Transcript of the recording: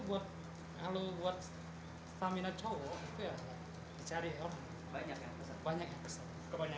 kebanyakan kalau yang gede itu sirip diambil tapi badan dijual